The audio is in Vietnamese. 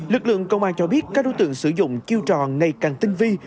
lực lượng công an cho biết các đối tượng sử dụng chiêu trò ngày càng tinh vi